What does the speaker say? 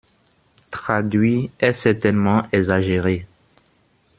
«Traduit» est certainement exagéré.